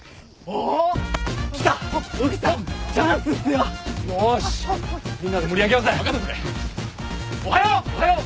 おはよう！